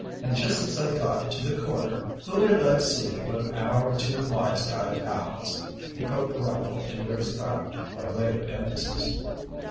And just as I got to the corner, who did I see but our two wise guy pals!" He poked the rifle in Rick's back by way of emphasis.